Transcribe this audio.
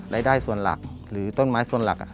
รายได้ส่วนหลักหรือต้นไม้ส่วนหลัก